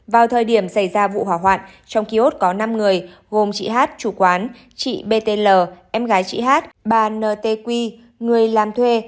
vào thời điểm xảy ra vụ hỏa hoạn trong kiosk có năm người gồm chị hát chủ quán chị btl em gái chị hát bà ntq người làm thuê